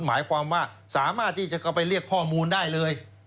หมายความว่าสามารถที่จะเข้าไปเรียกข้อมูลได้เลย